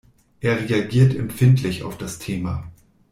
Er reagiert empfindlich auf das Thema.